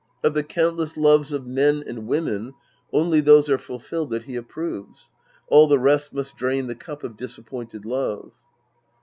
Of the countless loves of men and women, only those are fulfilled that he approves. All the rest must drain the cup of disappointed love.